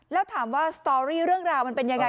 แล้วถามว่าสตอรี่เรื่องราวมันเป็นยังไง